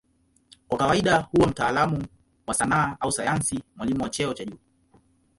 Kwa kawaida huwa mtaalamu wa sanaa au sayansi, mwalimu wa cheo cha juu.